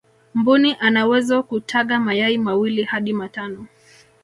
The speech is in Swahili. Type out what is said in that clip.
mbuni anawezo kutaga mayai mawili hadi matano